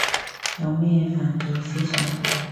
有咩犯罪思想